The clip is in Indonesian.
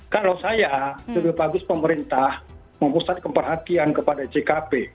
kalau saya lebih bagus pemerintah memusat keperhatian kepada jkp